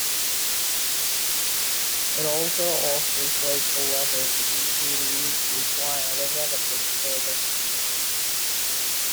It also offers local weather to computer users via the WeatherBug service.